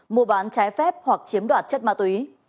mua bán trái phép hoặc chiếm đoạt chất ma túy